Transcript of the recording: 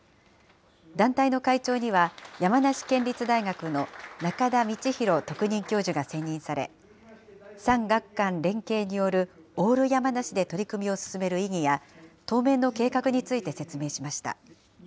団体の会長には、山梨県立大学の仲田道弘特任教授が選任され、産学官連携によるオール山梨で取り組みを進める意義や当面の計画について説明しました。